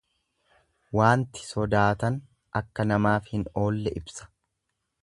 Waanti sodaatan akka namaaf hin oolle ibsa.